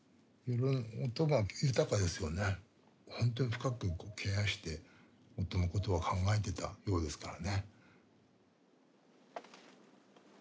ほんとに深く音のことは考えてたようですからね。